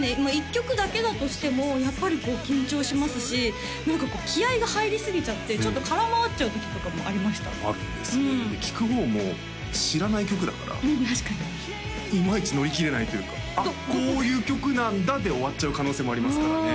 １曲だけだとしてもやっぱりこう緊張しますし何かこう気合が入りすぎちゃってちょっと空回っちゃうときとかもありましたで聴く方も知らない曲だからうん確かにイマイチ乗り切れないというかあっこういう曲なんだで終わっちゃう可能性もありますからね